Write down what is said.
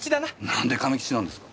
なんでカメ吉なんですか？